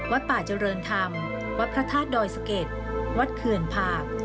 วัดปวัดเจริญธรรมวัดพระทหารดอยสะเก็ดวัดเคือนภาพ